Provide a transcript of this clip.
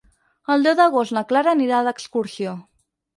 El deu d'agost na Clara anirà d'excursió.